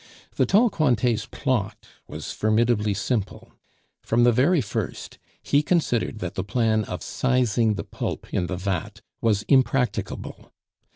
The tall Cointet's plot was formidably simple. From the very first he considered that the plan of sizing the pulp in the vat was impracticable.